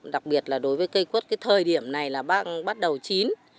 đặc biệt là đối với cây cốt cái thời điểm này là bắt đầu chín